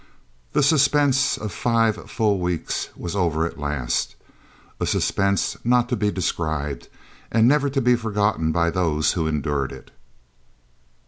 The suspense of five full weeks was over at last, a suspense not to be described, and never to be forgotten by those who endured it.